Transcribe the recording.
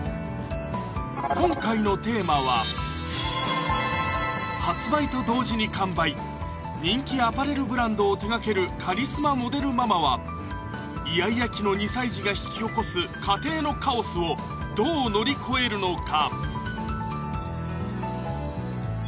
今回のテーマは発売と同時に完売人気アパレルブランドを手がけるカリスマモデルママはイヤイヤ期の２歳児が引き起こす家庭のカオスをどう乗り越えるのか？